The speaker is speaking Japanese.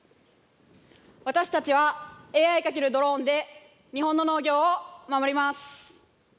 私たちはＡＩ×ドローンで日本の農業を守ります。